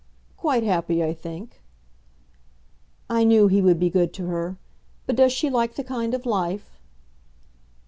"Quite happy, I think." "I knew he would be good to her. But does she like the kind of life?"